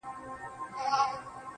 دا درې جامونـه پـه واوښـتـل.